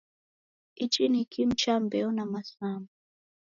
Ichi ni kimu cha mbeo na masama.